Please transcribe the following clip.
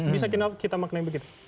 bisa kita makna begitu